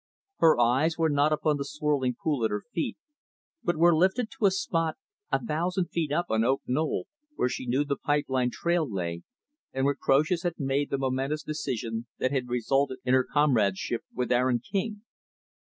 Her eyes were not upon the swirling pool at her feet, but were lifted to a spot, a thousand feet up on Oak Knoll, where she knew the pipe line trail lay, and where Croesus had made the momentous decision that had resulted in her comradeship with Aaron King.